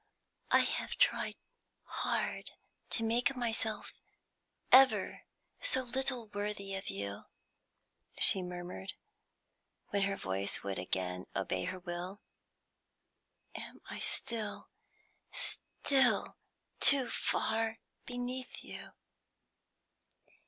"I have tried hard to make myself ever so little worthy of you," she murmured, when her voice would again obey her will. "Am I still still too far beneath you?"